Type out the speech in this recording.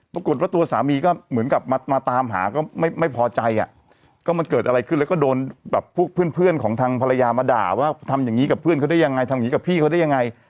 ปรากฏว่าตัวสามีก็เหมือนกับมาตามหาก็ไม่พอใจอ่ะก็มันเกิดอะไรขึ้นแล้วก็โดนแบบพวกเพื่อนของทางภรรยามาด่าว่าทำอย่างนี้กับเพื่อนเขาได้ยังไงทำอย่างนี้กับพี่เขาได้ยังไง